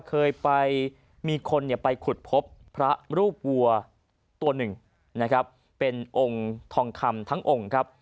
เคยไปมีคนไปขุดพบพระรูปวัวตัวหนึ่งนะครับเป็นองค์ทองคำทั้งองค์ครับ